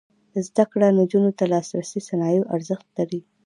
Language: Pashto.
زده کړه نجونو ته د لاسي صنایعو ارزښت ښيي.